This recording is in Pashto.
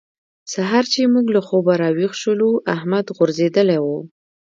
سهار چې موږ له خوبه راويښ شولو؛ احمد غورځېدلی وو.